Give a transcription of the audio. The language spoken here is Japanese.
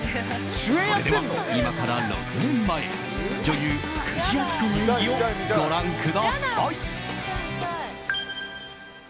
それでは、今から６年前女優・久慈暁子の演技をご覧ください！